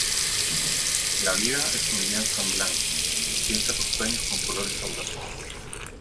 La vida es un lienzo en blanco; pinta tus sueños con colores audaces.